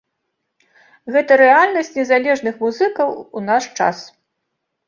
Гэта рэальнасць незалежных музыкаў у наш час.